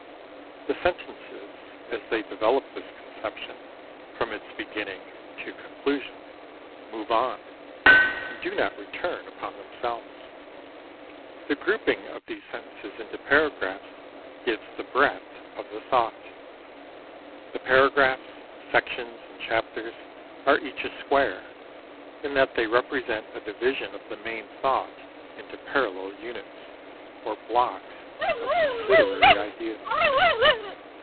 The sentences, as they develop this conception from its beginning to conclusion, move on, and do not return upon themselves. The grouping of these sentences into paragraphs gives the breadth of the thought. The paragraphs, sections, and chapters are each a square, in that they represent a division of the main thought into parallel units, or blocks of subsidiary ideas.